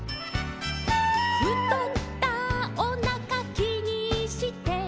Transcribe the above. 「ふとったおなかきにして」